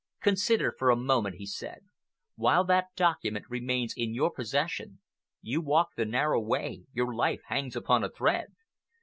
"Consider for a moment," he said. "While that document remains in your possession, you walk the narrow way, your life hangs upon a thread.